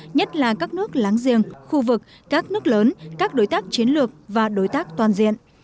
nhất là các nước láng giềng khu vực các nước lớn các đối tác chiến lược và đối tác toàn diện